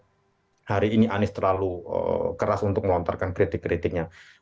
karena hari ini anies terlalu keras untuk melontarkan kritik kritiknya